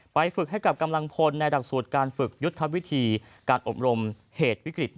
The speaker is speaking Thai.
ฝึกให้กับกำลังพลในหลักสูตรการฝึกยุทธวิธีการอบรมเหตุวิกฤต